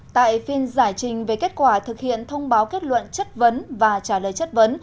tại phiên giải trình về kết quả thực hiện thông báo kết luận chất vấn và trả lời chất vấn